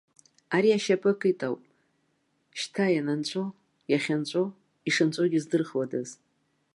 Ари ашьапы акит ауп, шьҭа ианынҵәо, иахьынҵәо, ишынҵәогьы здырхуадаз.